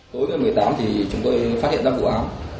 tối ngày một mươi tám thì chúng tôi phát hiện ra vụ án